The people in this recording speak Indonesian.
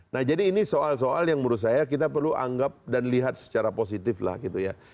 nah jadi ini soal soal yang menurut saya kita perlu anggap dan lihat secara positif lah gitu ya